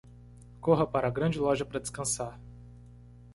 Corra para a grande loja para descansar